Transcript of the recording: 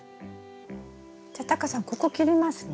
じゃあタカさんここ切りますね。